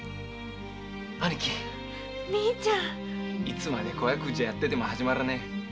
いつまで小悪事やってても始まらねえ。